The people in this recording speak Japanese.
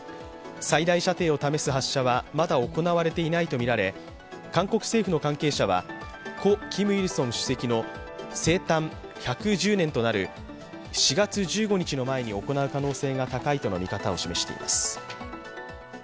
最大射程を試す発射はまだ行われていないとみられ韓国政府の関係者は、故キム・イルソン主席の生誕１１０年となる４月１５日を前に行う可能性が高いとの見方を示しています。